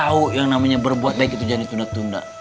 tahu yang namanya berbuat baik itu jadi tunda tunda